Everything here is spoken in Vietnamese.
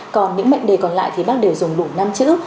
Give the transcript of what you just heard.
còn những mệnh đề còn lại thì bác đều dùng đủ năm chữ